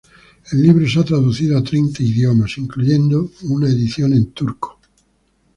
El libro se ha traducido a treinta idiomas, incluyendo una edición en turco.